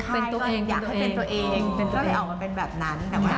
ก็เลยออกมาเป็นแบบนั้น